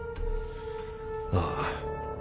ああ。